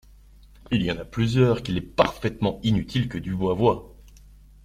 Il y en a plusieurs qu'il est parfaitement inutile que Dubois voie.